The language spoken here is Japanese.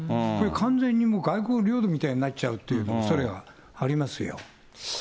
完全にもう外国領土みたいになっちゃうおそれはありますよ。